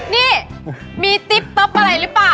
นี่มีติ๊บตับอะไรหรือเปล่า